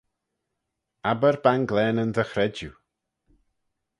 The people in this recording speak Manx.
Abbyr banglaneyn dty chredjue.